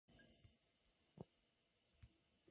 Pertenece a la emblemática familia Montt.